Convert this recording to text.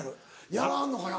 やらはんのかな？